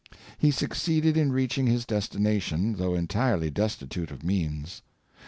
He succeeded in reaching his destina tion, though entirely destitute of means.